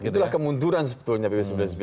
itulah kemunduran sebetulnya pp sembilan puluh sembilan